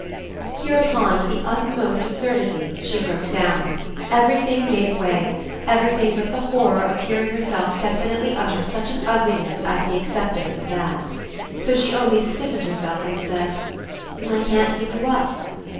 Hereupon, with the utmost absurdity, she broke down; everything gave way, everything but the horror of hearing herself definitely utter such an ugliness as the acceptance of that. So she only stiffened herself and said: "Then I can't give you up."